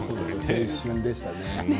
青春でしたね。